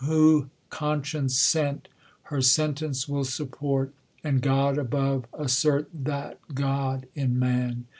Who conscience sent, her sentence will support, And God above assert M«/ God in man.